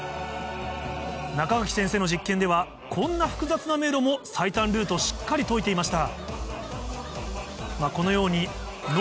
中垣先生の実験ではこんな複雑な迷路も最短ルートしっかり解いていました